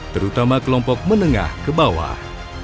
terutama kelompok menengah ke bawah